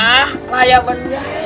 ah ke layapan ya